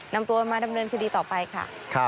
นำตัวมาดำเนินคดีต่อไปค่ะ